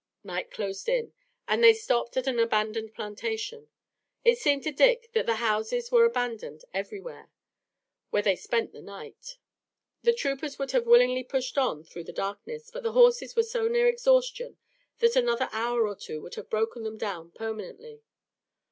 Night closed in, and they stopped at an abandoned plantation it seemed to Dick that the houses were abandoned everywhere where they spent the night. The troopers would have willingly pushed on through the darkness, but the horses were so near exhaustion that another hour or two would have broken them down permanently.